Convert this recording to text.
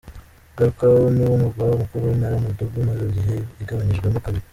Galkao niwo murwa mukuru w’intara Mudug imaze igihe igabanyijwemo kabiri.